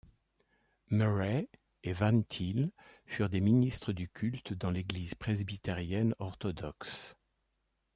Murray et Van Til furent des ministres du culte dans l'Église presbytérienne orthodoxe.